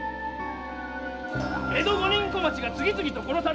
江戸五人小町が次々と殺されていく怪事件！